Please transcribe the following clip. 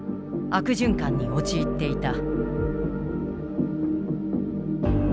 悪循環に陥っていた。